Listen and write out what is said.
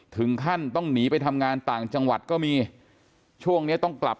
ถึงขั้นต้องหนีไปทำงานต่างจังหวัดก็มีช่วงนี้ต้องกลับ